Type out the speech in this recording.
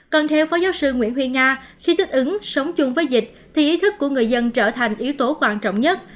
còn theo phó giáo sư nguyễn huy nga khi thích ứng sống chung với dịch thì ý thức của người dân trở thành yếu tố quan trọng nhất